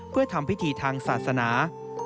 เพื่อทำพิธีทางศาสนา